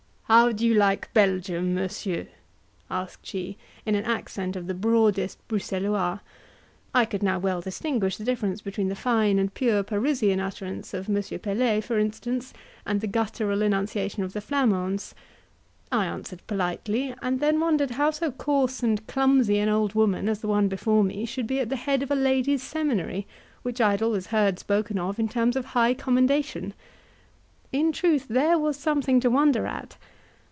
"How do you like Belgium, Monsieur?" asked she, in an accent of the broadest Bruxellois. I could now well distinguish the difference between the fine and pure Parisian utterance of M. Pelet, for instance, and the guttural enunciation of the Flamands. I answered politely, and then wondered how so coarse and clumsy an old woman as the one before me should be at the head of a ladies' seminary, which I had always heard spoken of in terms of high commendation. In truth there was something to wonder at.